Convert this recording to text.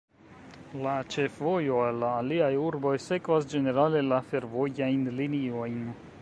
La ĉefvojoj al la aliaj urboj sekvas ĝenerale la fervojajn liniojn.